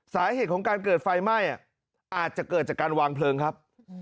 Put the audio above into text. สาเหตุของการเกิดไฟไหม้อาจจะเกิดจากการวางเพลิงครับ